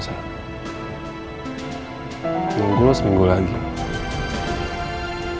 biar gua bisa nolak permintaan riki